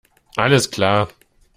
Alles klar!